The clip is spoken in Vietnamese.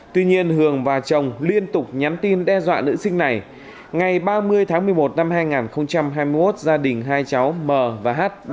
tuy nhiên hường và chồng liên tục nhắn tin đe dọa nữ sinh này ngày ba mươi tháng một mươi một năm hai nghìn hai mươi một gia đình hai cháu mh